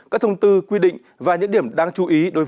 các thông tư quy định và những điểm đáng chú ý